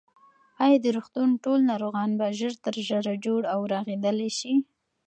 ایا د روغتون ټول ناروغان به ژر تر ژره جوړ او رغېدلي شي؟